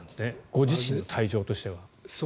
ご自身の体調としては。